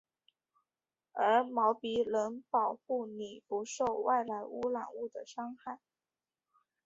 而鼻毛能够保护你不受外来污染物伤害。